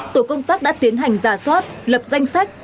tổ công tác đã tiến hành giả soát lập danh sách